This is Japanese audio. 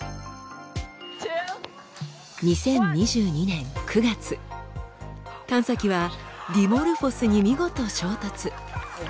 ２０２２年９月探査機はディモルフォスに見事衝突。